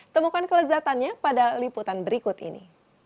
temukan kelezatannya pada liputan berikut ini